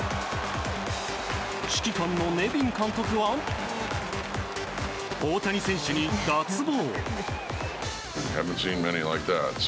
指揮官のネビン監督は大谷選手に脱帽。